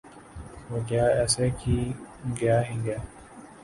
وہ گیا ایسا کی گیا ہی گیا